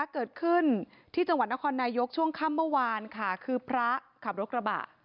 เกิดขึ้นที่จังหวัดนครนายกช่วงค่ำเมื่อวานค่ะคือพระขับรถกระบะ